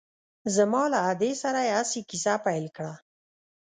زما له ادې سره يې هسې کيسه پيل کړه.